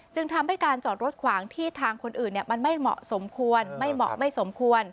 จึงทำให้การจอดรถขวางที่ทางคนอื่นมันไม่เหมาะสมควร